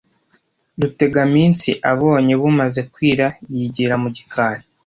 rutegaminsi abonye bumaze kwira yigira mu gikari,